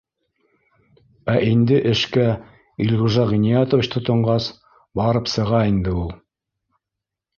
Ә инде эшкә Илғужа Ғиниәтович тотонғас, барып сыға инде ул